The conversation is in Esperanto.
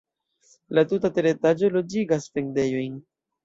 La tuta teretaĝo loĝigas vendejojn.